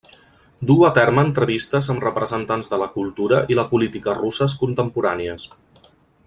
Duu a terme entrevistes amb representants de la cultura i la política russes contemporànies.